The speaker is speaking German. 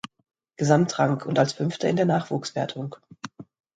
Gesamtrang und als Fünfter in der Nachwuchswertung.